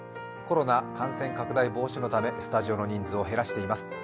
コロナ感染拡大防止のため、スタジオの人数を減らしています。